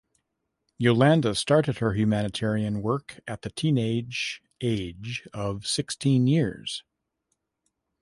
Yolanda started her humanitarian work at the teenage age of sixteen years.